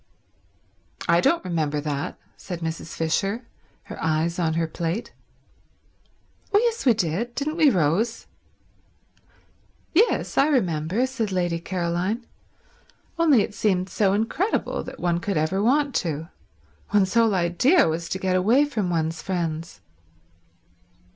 "I don't remember that," said Mrs. Fisher, her eyes on her plate. "Oh yes, we did—didn't we, Rose?" "Yes—I remember," said Lady Caroline. "Only it seemed so incredible that one could ever want to. One's whole idea was to get away from one's friends."